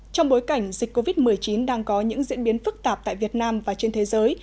trong bối cảnh dịch covid một mươi chín đang có những diễn biến phức tạp tại việt nam và trên thế giới